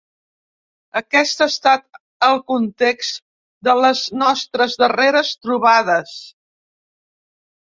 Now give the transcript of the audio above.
Aquest ha estat el context de les nostres darreres trobades.